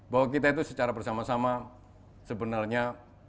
bahwa kita itu secara bersama sama sebenarnya